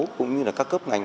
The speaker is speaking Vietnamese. cũng như là các cấp ngành